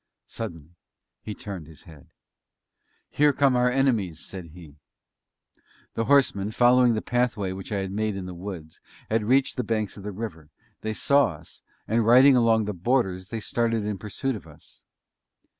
Suddenly he turned his head. "Here come our enemies!" said he. The horsemen, following the pathway which I had made in the woods, had reached the banks of the river; they saw us, and riding along the borders they started in pursuit of us.